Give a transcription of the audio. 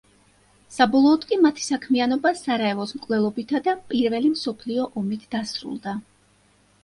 საბოლოოდ კი მათი საქმიანობა სარაევოს მკვლელობითა და პირველი მსოფლიო ომით დასრულდა.